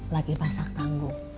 lagi pasak tangguh